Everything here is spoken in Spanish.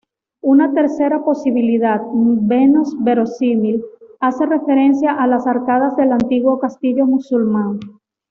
Una tercera posibilidad, menos verosímil, hace referencia a las arcadas del antiguo castillo musulmán.